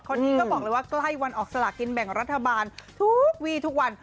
คนนี้ก็บอกเลยว่าใกล้วันออกสลากินแบ่งรัฐบาลทุกวีทุกวัน